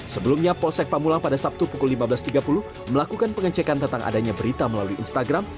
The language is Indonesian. sebelumnya polsek pamulang pada sabtu pukul lima belas tiga puluh melakukan pengecekan tentang adanya berita melalui instagram